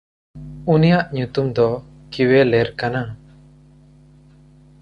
ᱩᱱᱤᱭᱟᱜ ᱧᱩᱛᱩᱢ ᱫᱚ ᱠᱤᱣᱮᱞᱮᱨ ᱠᱟᱱᱟ᱾